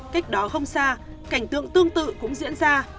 cách đó không xa cảnh tượng tương tự cũng diễn ra